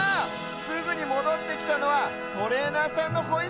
すぐにもどってきたのはトレーナーさんのホイッスル。